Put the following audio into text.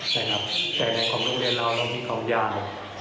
แต่ในความโรงเรียนเรามันมีความยาว